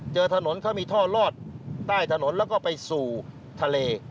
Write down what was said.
เจอถนนเขามีท่อลอดใต้ถนนแล้วก็ไปสู่ทะเล